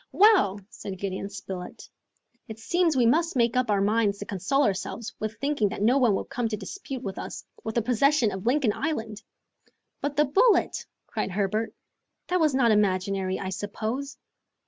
"Well," said Gideon Spilett, "it seems we must make up our minds to console ourselves with thinking that no one will come to dispute with us the possession of Lincoln Island!" "But the bullet," cried Herbert. "That was not imaginary, I suppose!"